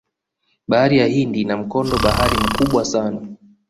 bahari ya hindi ina mkondo bahari mkubwa sana